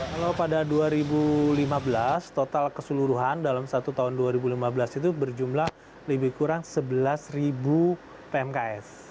kalau pada dua ribu lima belas total keseluruhan dalam satu tahun dua ribu lima belas itu berjumlah lebih kurang sebelas pmks